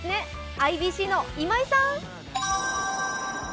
ＩＢＣの今井さん。